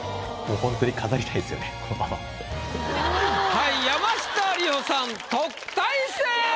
はい山下リオさん特待生！